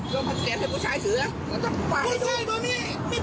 ร่วมโปรดไรยเป็นผู้ชายเสื๊อหนูมันก็คือผู้ชายตัวมาก